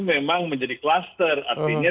memang menjadi cluster artinya